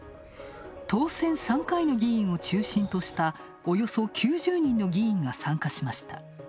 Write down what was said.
当選３回の議員を中心としたおよそ９０人の議員が参加しました。